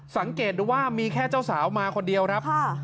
สังเกตดูว่ามีแค่เจ้าสาวมาคนเดียวครับ